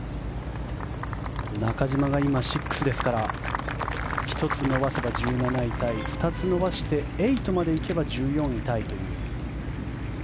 中島が今、６ですから１つ伸ばせば１７位タイ２つ伸ばして８まで行けば１４位タイという。